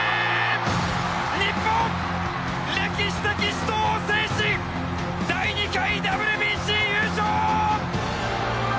日本、歴史的死闘を制し第２回ＷＢＣ優勝！